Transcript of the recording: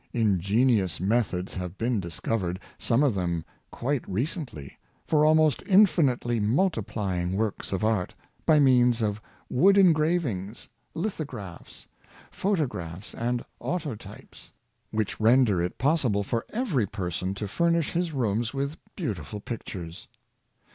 Ingenious methods have been dis covered— some of them quite recently — for almost in finitely multiplying works of art, by means of wood en gravings, lithographs, photographs and autotypes, which render it possible for every person to furnish his rooms with beautiful pictures.